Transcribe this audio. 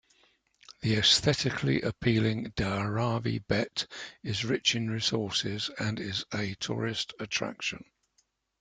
The aesthetically appealing Dharavi Bhet is rich in resources and is a tourist attraction.